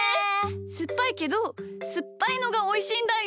すっぱいけどすっぱいのがおいしいんだよ。